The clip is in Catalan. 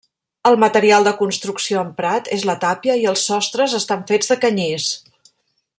El material de construcció emprat és la tàpia i els sostres estan fets de canyís.